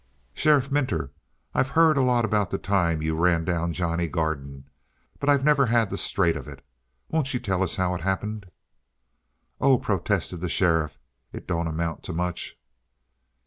"Sheriff Minter, I've heard a lot about the time you ran down Johnny Garden. But I've never had the straight of it. Won't you tell us how it happened?" "Oh," protested the sheriff, "it don't amount to much."